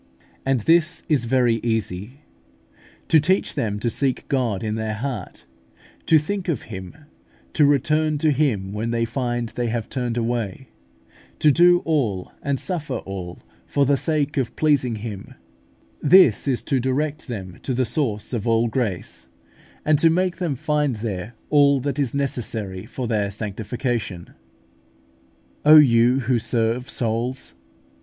And this is very easy. To teach them to seek God in their heart, to think of Him, to return to Him when they find they have turned away, to do all and suffer all for the sake of pleasing Him this is to direct them to the source of all grace, and to make them find there all that is necessary for their sanctification. O you who serve souls!